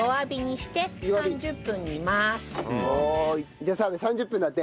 じゃあ澤部３０分だって。